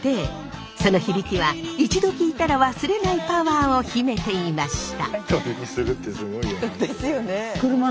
その響きは一度聞いたら忘れないパワーを秘めていました。